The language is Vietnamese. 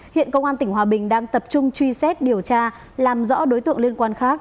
hiện công an tỉnh hòa bình đang tập trung truy xét điều tra làm rõ đối tượng liên quan khác